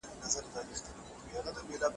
ټېکنالوژي ناروغ ته ژر درملنه برابروي.